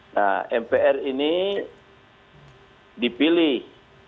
nah mpr ini dipilih